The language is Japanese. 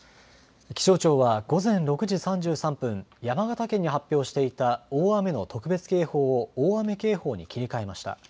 気象庁は午前６時３３分、山形県に発表していた大雨の特別警報を大雨警報に切り替えました。